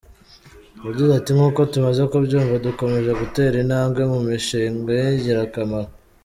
Yagize ati “ Nk’uko tumaze kubyumva, dukomeje gutera intambwe mu mishinga y’ingirakamaro.